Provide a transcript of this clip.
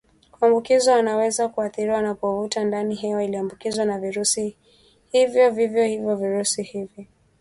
kuambukizwa wanaweza kuathiriwa wanapovuta ndani hewa iliyoambukizwa na virusi hivyo Vivyo hivyo virusi hivi